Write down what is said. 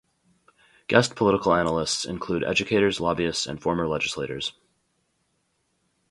Guest political analysts include educators, lobbyists, and former legislators.